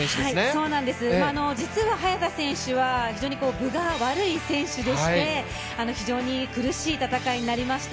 実は早田選手は非常に分が悪い選手でして、非常に苦しい戦いになりました。